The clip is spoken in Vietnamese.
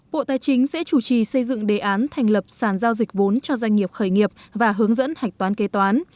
bộ tài chính sẽ chủ trì xây dựng đề án thành lập sản giao dịch vốn cho doanh nghiệp khởi nghiệp và hướng dẫn hạch toán kế toán